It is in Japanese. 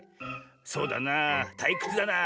『そうだなあ。たいくつだなあ。